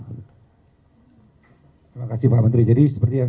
terima kasih pak menteri jadi seperti yang